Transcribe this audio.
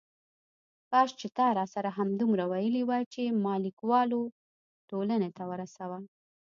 کاش چې تا راسره همدومره ویلي وای چې ما لیکوالو ټولنې ته ورسوه.